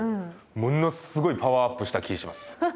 ものすごいパワーアップした気します。